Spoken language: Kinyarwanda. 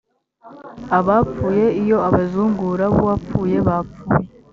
abapfuye iyo abazungura b uwapfuye bapfuye